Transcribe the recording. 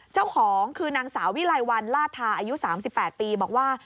เจ้าของคือนางสาววิไลวันลาทาอายุ๓๘ปีบอกว่า